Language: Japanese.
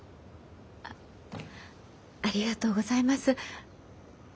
ありがとうございます。